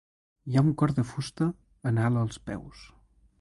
Hi ha un cor de fusta en alt als peus.